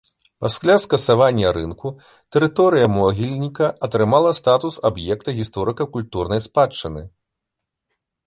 Пасля скасавання рынку тэрыторыя могільніка атрымала статус аб'екта гісторыка-культурнай спадчыны.